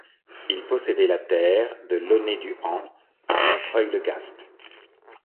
Il possédait la terre de Launay-du-Han à Montreuil-le-Gast.